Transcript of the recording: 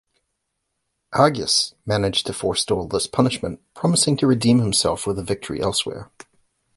Agis managed to forestall this punishment, promising to redeem himself with a victory elsewhere.